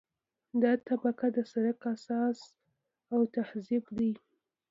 دا طبقه د سرک اساس او تهداب دی